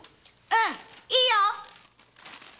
うんいいよ。